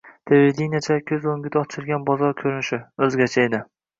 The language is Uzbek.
televideniyechilar ko‘z o‘ngida ochilgan bozor ko‘rinishi... o‘zgacha edi!